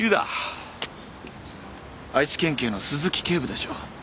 愛知県警の鈴木警部でしょう。